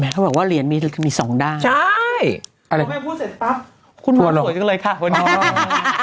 เขาบอกว่าเหรียญมี๒ด้านนะครับพอแม่งพูดเสร็จปั๊บคุณมันสวยจังเลยค่ะวันนี้